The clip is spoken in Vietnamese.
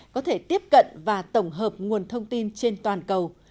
có thể tiếp cận và tổng hợp nguồn thông tin trên toàn cầu